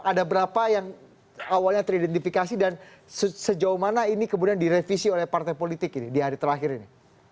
ada berapa yang awalnya teridentifikasi dan sejauh mana ini kemudian direvisi oleh partai politik ini di hari terakhir ini